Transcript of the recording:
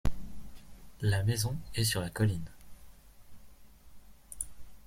La maison est sur la colline.